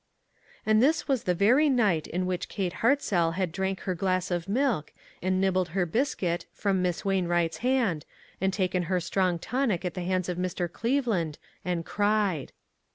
And this was the very night in which Kate Hartzell had drank her glass of milk, and nibbled her biscuit, from Miss Wain wright's hand, and taken her strong tonic at the hands of Mr. Cleveland, and cried.